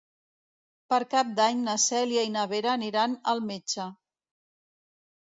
Per Cap d'Any na Cèlia i na Vera aniran al metge.